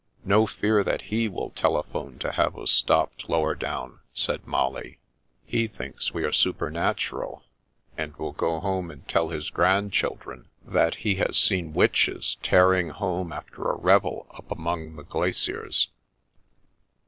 " No fear that he will telephone to have us stopped lower down," said Molly. " He thinks we are super natural, and will go home and tell his grandchildren "JO The Princess Passes that he has seen witches tearing home after a revel up among the glaciers."